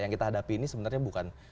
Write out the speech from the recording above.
yang kita hadapi ini sebenarnya bukan